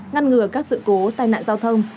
ngăn ngừa các sự cố tai nạn giao thông